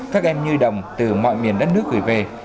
các em nhi đồng từ mọi miền đất nước gửi về